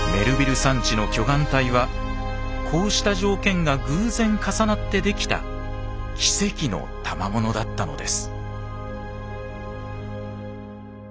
山地の巨岩帯はこうした条件が偶然重なってできた奇跡のたまものだったのです。